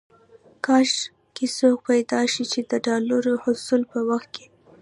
کاش کې څوک پيدا شي چې د ډالرو د حصول په وخت کې.